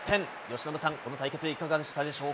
由伸さん、この対決、いかがでし